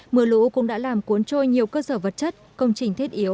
mưa lũ cũng đã làm cuốn trôi nhiều cơ sở vật chất công trình thiết yếu